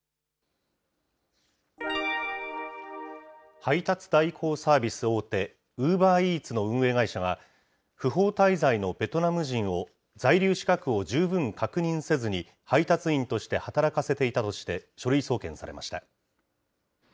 配達代行サービス大手、ウーバーイーツの運営会社が、不法滞在のベトナム人を、在留資格を十分確認せずに、配達員として働かせていたとして、書類送検されました。